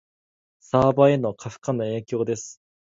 サーバへの過負荷の影響です